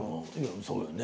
そうよね。